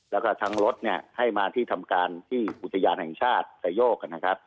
แล้วก็ทั้งรถเนี่ยให้มาที่ทำการที่อุทยานแห่งชาติสายโยกนะครับ